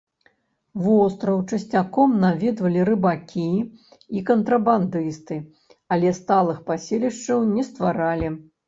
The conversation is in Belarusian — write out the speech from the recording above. Востраў часцяком наведвалі рыбакі і кантрабандысты, але сталых паселішчаў не стваралі.